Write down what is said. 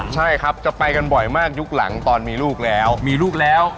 ใช่ครับจะไปกันบ่อยมากยุคหลังที่มีลูกแล้ว